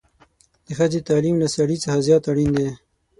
د ښځې تعليم له سړي څخه زيات اړين دی